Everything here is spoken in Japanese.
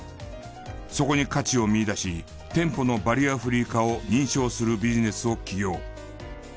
そこに価値を見いだし店舗のバリアフリー化を認証するビジネスを起業。